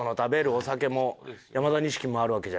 お酒も山田錦もあるわけじゃないですか。